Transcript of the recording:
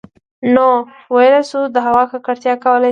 نـو ٫ويلـی شـوو د هـوا ککـړتـيا کـولی شـي